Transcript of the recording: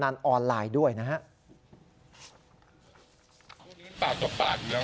๒ชั้นก็ประตูละเข้าอย่างนี้แล้วก็เป็นประตูเหล็กล็อค